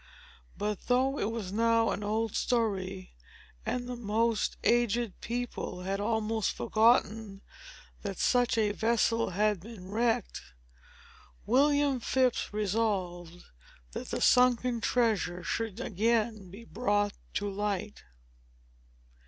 But though it was now an old story, and the most aged people had almost forgotten that such a vessel had been wrecked. William Phips resolved that the sunken treasure should again be brought to light.